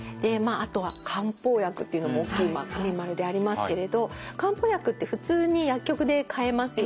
あとは「漢方薬」っていうのも大きい丸でありますけれど漢方薬って普通に薬局で買えますよね。